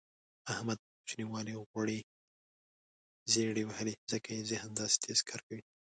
احمد په کوچینوالي غوړې زېړې وهلي ځکه یې ذهن داسې تېز کار کوي.